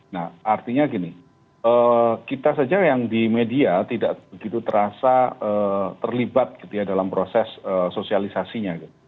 nah artinya gini kita saja yang di media tidak begitu terasa terlibat gitu ya dalam proses sosialisasinya